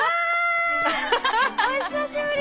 久しぶり！